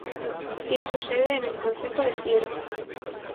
Tiene su sede en el concejo de Siero.